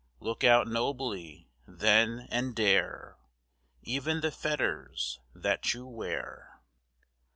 Look out nobly, then, and dare Even the fetters that you wear.